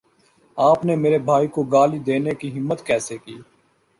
آپ نے میرے بھائی کو گالی دینے کی ہمت کیسے کی